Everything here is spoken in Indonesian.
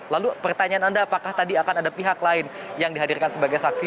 lalu pertanyaan anda apakah tadi akan ada pihak lain yang dihadirkan sebagai saksi